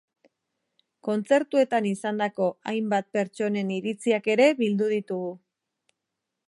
Kontzertuetan izandako hainbat pertsonen iritziak ere bildu ditugu.